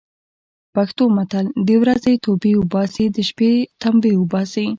پښتو متل: د ورځې توبې اوباسي، د شپې تمبې اوباسي.